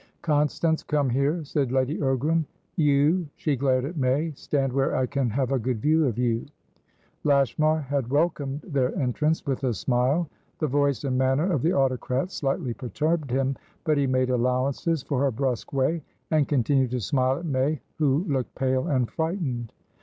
"Constance, come here," said Lady Ogram. "You"she glared at May"stand where I can have a good view of you." Lashmar had welcomed their entrance with a smile. The voice and manner of the autocrat slightly perturbed him, but he made allowances for her brusque way, and continued to smile at May, who looked pale and frightened.